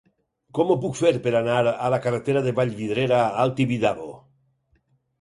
Com ho puc fer per anar a la carretera de Vallvidrera al Tibidabo?